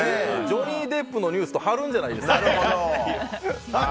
ジョニー・デップのニュースと張るんじゃないですか。